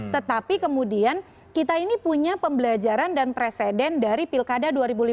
tetapi kemudian kita ini punya pembelajaran dan presiden dari pilkada dua ribu lima belas